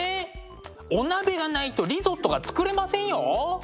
お鍋がないとリゾットが作れませんよ。